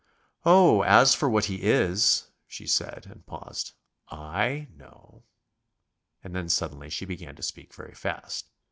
"Oh as for what he is " she said, and paused. "I know...." and then suddenly she began to speak very fast.